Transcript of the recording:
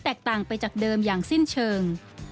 ต่างไปจากเดิมอย่างสิ้นเชิง